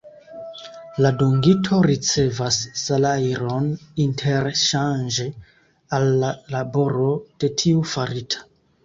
La dungito ricevas salajron interŝanĝe al la laboro de tiu farita.